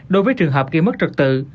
đối với trường hợp kỷ mất trật tự